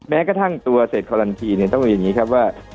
แม้กระทั่งตัวเศรษฐ์การันกรีต้องมีอย่างนี้ครับว่า